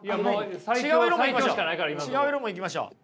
黄色もいきましょうか？